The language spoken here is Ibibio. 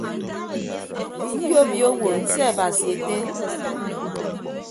Nyobio owo nseabasi ette.